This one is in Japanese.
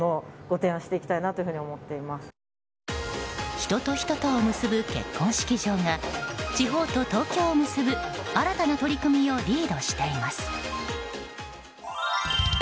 人と人とを結ぶ結婚式場が地方と東京を結ぶ新たな取り組みをリードしています。